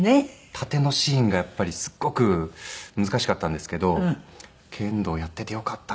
殺陣のシーンがやっぱりすっごく難しかったんですけど剣道やっていてよかったって。